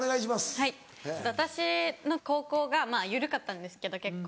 はい私の高校が緩かったんですけど結構。